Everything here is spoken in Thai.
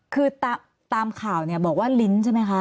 คือตามข่าวเนี่ยบอกว่าลิ้นใช่ไหมคะ